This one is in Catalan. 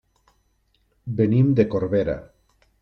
Venim de Corbera.